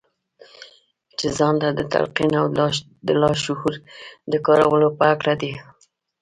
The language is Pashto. چې ځان ته د تلقين او د لاشعور د کارولو په هکله دي.